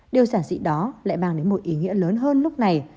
điều giản dị đó lại mang đến một ý nghĩa lớn hơn lúc này